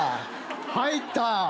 入った？